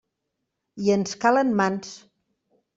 I ens calen mans!